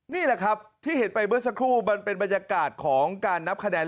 นี่แหละครับที่เห็นไปเมื่อสักครู่มันเป็นบรรยากาศของการนับคะแนน